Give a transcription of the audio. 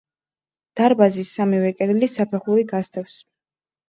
დარბაზის სამივე კედლის საფეხური გასდევს.